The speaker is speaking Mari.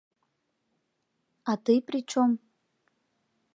— А тый причём?